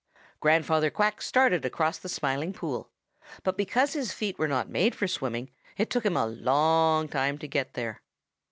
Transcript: "Grandfather Quack started across the Smiling Pool, but because his feet were not made for swimming, it took him a long time to get there.